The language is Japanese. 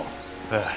ええ。